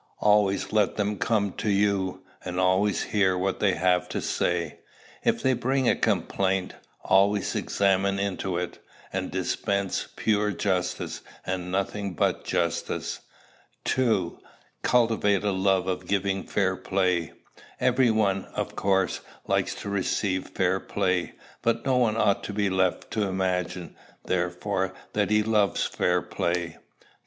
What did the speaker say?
Always let them come to you, and always hear what they have to say. If they bring a complaint, always examine into it, and dispense pure justice, and nothing but justice. 2. Cultivate a love of giving fair play. Every one, of course, likes to receive fair play; but no one ought to be left to imagine, therefore, that he loves fair play.